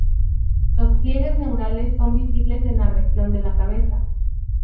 Los pliegues neurales son visibles en la región de la cabeza.